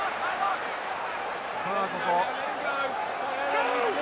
さあここ。